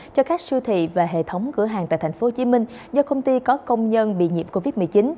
cho các siêu thị và hệ thống cửa hàng tại tp hcm do công ty có công nhân bị nhiễm covid một mươi chín